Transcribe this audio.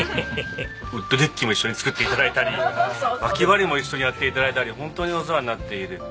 ウッドデッキも一緒に作って頂いたりまき割りも一緒にやって頂いたり本当にお世話になっている。